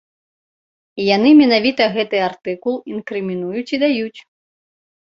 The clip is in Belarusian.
Яны менавіта гэты артыкул інкрымінуюць і даюць.